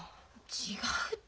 違うって。